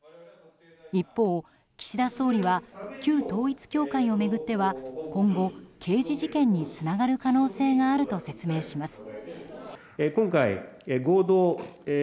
一方、岸田総理は旧統一教会を巡っては今後、刑事事件につながる可能性があると説明します。